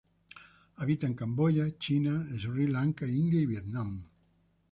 Habita en Camboya, China, Sri Lanka, India y Vietnam.